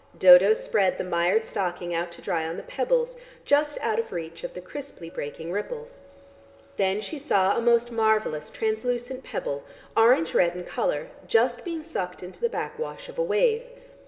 Dodo spread the mired stocking out to dry on the pebbles, just out of reach of the crisply breaking ripples. Then she saw a most marvellous, translucent pebble, orange red in colour, just being sucked into the backwash of a wave.